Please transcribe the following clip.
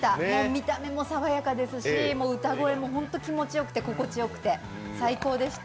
見た目も爽やかですし歌声もホント気持ちよくて心地よくて、最高でした。